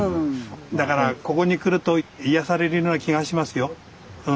だからここに来ると癒やされるような気がしますよ。